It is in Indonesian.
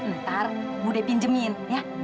ntar budi pinjemin ya